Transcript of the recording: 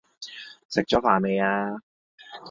食左飯未呀